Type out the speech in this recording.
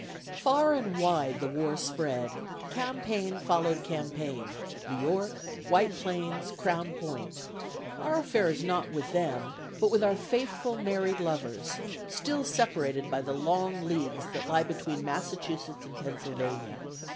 Far and wide the war spread: campaign followed campaign: New York, White Plains, Crown Point: our affair is not with them, but with our faithful married lovers, still separated by the long leagues that lie between Massachusetts and Pennsylvania.